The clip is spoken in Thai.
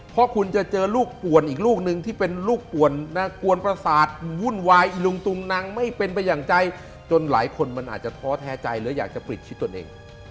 เพราะคุณจะเจอลูกป่วนอีกลูกนึงที่เป็นลูกป่วนกวนประสาทวุ่นวายอีลุงตุงนังไม่เป็นไปอย่างใจจนหลายคนมันอาจจะท้อแท้ใจหรืออยากจะปลิดชีวิตตนเอง